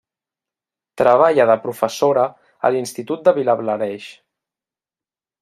Treballa de professora a l'Institut de Vilablareix.